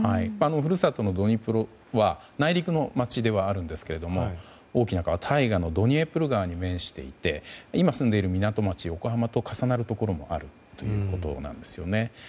故郷のドニプロは内陸の街ではありますが大きな川、ドニエプル川に面していて今、住んでいる港町・横浜と重なるところもあるということなんです。